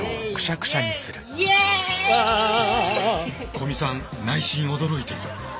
古見さん内心驚いている。